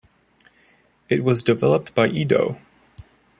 It was developed by Edo.